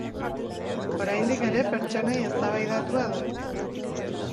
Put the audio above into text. Oraindik ere pertsonai eztabaidatua da.